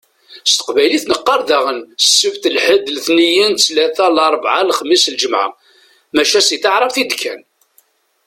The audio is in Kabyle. S teqbaylit neqqaṛ daɣen: Sebt, lḥed, letniyen, ttlata, larbɛa, lexmis, lǧemɛa. Maca si taɛrabt i d-kkan.